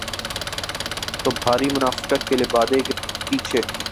تو بھاری منافقت کے لبادے کے پیچھے۔